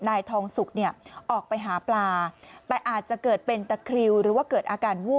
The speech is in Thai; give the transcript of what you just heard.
นายทองสุกออกไปหาปลาแต่อาจจะเกิดเป็นตะคริว